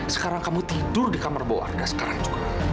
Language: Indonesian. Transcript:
sekarang kamu tidur di kamar bawah sekarang juga